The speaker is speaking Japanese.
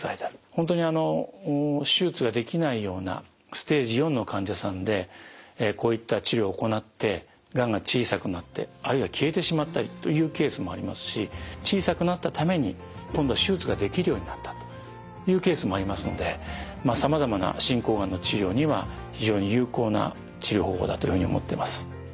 本当にあの手術ができないようなステージⅣの患者さんでこういった治療を行ってがんが小さくなってあるいは消えてしまったりというケースもありますし小さくなったために今度は手術ができるようになったというケースもありますのでさまざまな進行がんの治療には非常に有効な治療方法だというふうに思ってます。